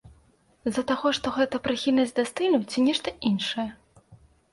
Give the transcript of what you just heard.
З-за таго, што гэта прыхільнасць да стылю ці нешта іншае?